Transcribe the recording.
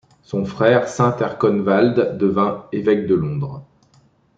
Son frère saint Erconwald devint évêque de Londres.